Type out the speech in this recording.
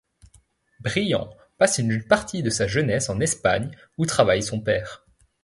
Bryant passe une partie de sa jeunesse en Espagne, où travaille son père.